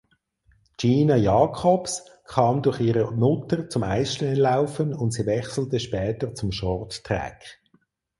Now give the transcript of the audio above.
Gina Jacobs kam durch ihre Mutter zum Eisschnelllaufen und sie wechselte später zum Shorttrack.